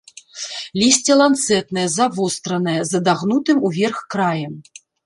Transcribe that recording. Лісце ланцэтнае, завостранае, з адагнутым уверх краем.